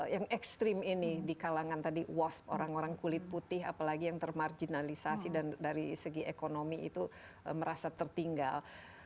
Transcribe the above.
yang ekstrim ini di kalangan tadi wash orang orang kulit putih apalagi yang termarginalisasi dan dari segi ekonomi itu merasa tertinggal